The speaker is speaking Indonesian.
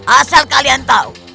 asal kalian tahu